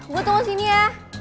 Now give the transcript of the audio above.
gua tunggu sini ya